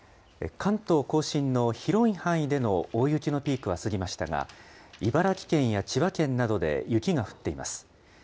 関東甲信の広い範囲での大雪のピークは過ぎましたが、茨城県や千葉県などで雪が降っています。